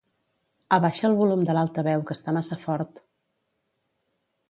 Abaixa el volum de l'altaveu que està massa fort.